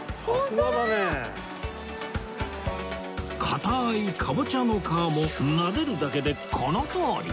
硬いカボチャの皮もなでるだけでこのとおり